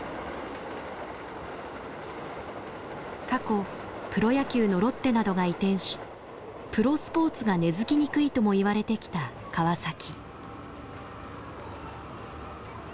過去プロ野球のロッテなどが移転し「プロスポーツが根づきにくい」ともいわれてきた川崎。